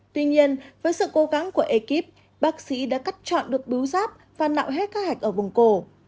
tuy nhiên với sự cố gắng của ekip bác sĩ đã cắt chọn được bứu giáp và nạo hết các hạch ở vùng cổ